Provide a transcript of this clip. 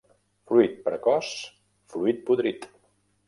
Fruit precoç, fruit podrit.